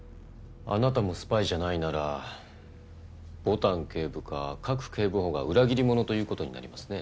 あなたもスパイじゃないなら牡丹警部か賀来警部補が裏切り者という事になりますね。